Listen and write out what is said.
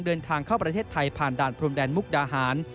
เดินทางเข้าประเทศไทยผ่านด่านพรมแดนมุกดาหาร